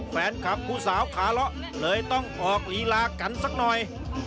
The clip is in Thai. แฟนคลับผู้สาวขาเลาะเลยต้องออกลีลากันสักหน่อย